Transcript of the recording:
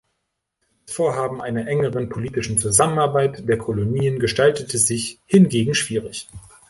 Das Vorhaben einer engeren politischen Zusammenarbeit der Kolonien gestaltete sich hingegen schwierig.